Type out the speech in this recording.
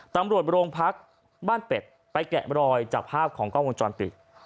ตำรวจโรงพักบ้านเป็ดไปแกะรอยจากภาพของกล้องวงจรปิด